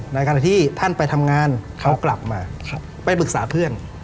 ในการที่ท่านไปทำงานเขากลับมาไปปรึกษาเพื่อน